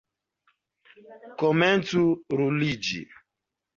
Komencu ruliĝi!